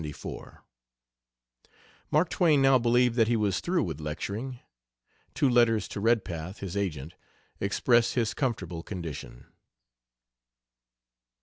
] Mark Twain now believed that he was through with lecturing. Two letters to Redpath, his agent, express his comfortable condition.